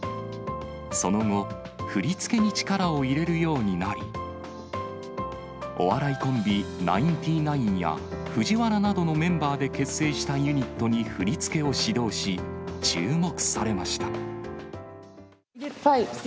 その後、振り付けに力を入れるようになり、お笑いコンビ、ナインティナインや、ＦＵＪＩＷＡＲＡなどのメンバーで結成したユニットに振り付けを指導し、注目されました。